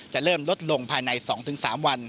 จะเริ่มลดลงภายใน๒๓วัน